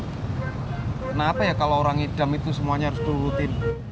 kenapa ya kalo orang ngidam itu semuanya harus turutin